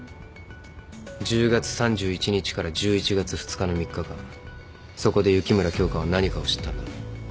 １０月３１日から１１月２日の３日間そこで雪村京花は何かを知ったんだ。